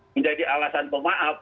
menjadi alasan pemaaf